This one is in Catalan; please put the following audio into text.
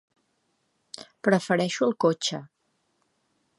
Prefereixo el cotxe.